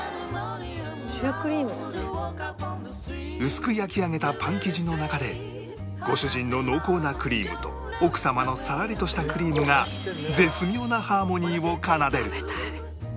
薄く焼き上げたパン生地の中でご主人の濃厚なクリームと奥様のさらりとしたクリームが絶妙なハーモニーを奏でる